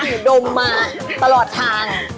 หนูดมมาตลอดทาง